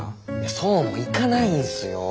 そうもいかないんすよ。